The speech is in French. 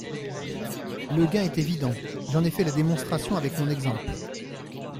Le gain est évident – j’en ai fait la démonstration avec mon exemple.